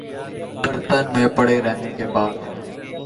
برتن میں پڑے رہنے کے بعد